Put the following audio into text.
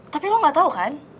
tapi lo gak tau kan